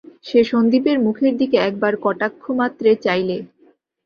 সে সন্দীপের মুখের দিকে একবার কটাক্ষমাত্রে চাইলে।